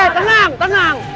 eh tenang tenang